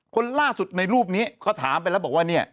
คนล่าสุดในรูปนี้เขาถามไปแล้วบอกว่าเนี่ย